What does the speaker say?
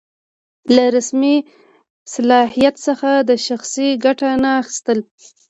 له رسمي صلاحیت څخه شخصي ګټه نه اخیستل.